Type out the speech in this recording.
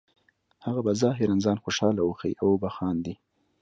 هغه به ظاهراً ځان خوشحاله وښیې او وبه خاندي